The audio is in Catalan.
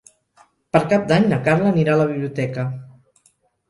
Per Cap d'Any na Carla anirà a la biblioteca.